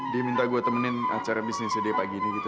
dia minta gue temenin acara bisnisnya dia pagi ini gitu